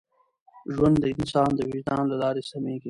ژوند د انسان د وجدان له لارې سمېږي.